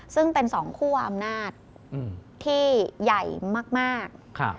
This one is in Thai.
ซึ่งเป็น๒คู่อำนาจที่ใหญ่มาก